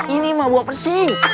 ini mah buah persing